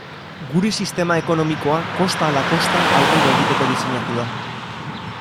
Gure sistema ekonomikoa kosta ala kosta aurrera egiteko diseinatu da.